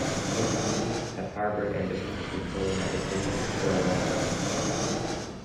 Mussolini had harboured ambitions of controlling Abyssinia for a long time.